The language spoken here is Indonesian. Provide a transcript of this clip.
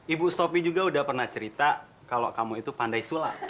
ibu stopi juga udah pernah cerita kalau kamu itu pandai sula